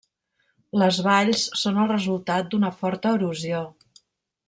Les valls són el resultat d'una forta erosió.